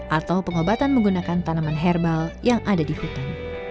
atau pengobatan menggunakan tanaman herbal yang ada di hutan